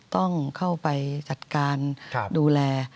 ต้องเข้าไปจัดการดูแล